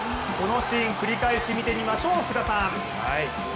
このシーン、繰り返し見てみましょう。